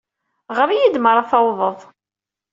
Ɣer-iyi-d mi ara tawḍeḍ.